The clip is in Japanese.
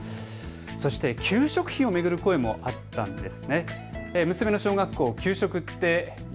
そして給食費を巡る声もあったんです。